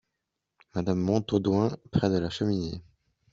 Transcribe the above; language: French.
Madame Montaudoin , près de la cheminée.